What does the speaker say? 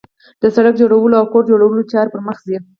د سړک جوړولو او کور جوړولو چارې پرمخ ځي